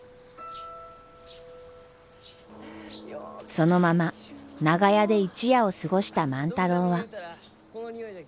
そのまま長屋で一夜を過ごした万太郎は。